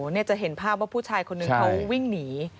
เนี่ยจะเห็นภาพว่าผู้ชายคนหนึ่งเขาวิ่งหนี